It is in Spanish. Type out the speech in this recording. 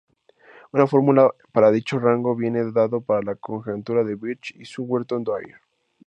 Una fórmula para dicho rango viene dada por la conjetura de Birch y Swinnerton-Dyer.